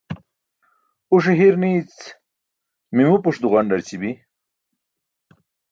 Uṣe hir nii̇c mimupuṣ duġandarći bi.